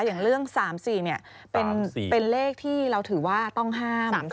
อย่างเรื่อง๓๔เป็นเลขที่เราถือว่าต้องห้าม